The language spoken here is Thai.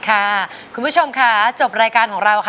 คุณผู้ชมค่ะจบรายการของเราค่ะ